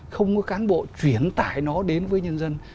không có cán bộ chuyển tải nó đến với nhân dân